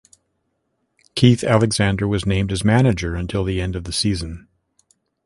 Keith Alexander was named as manager until the end of the season.